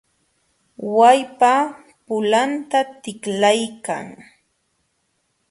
Wallpa pulanta tiklaykan.